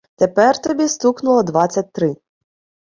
Тепер тобі стукнуло двадцять три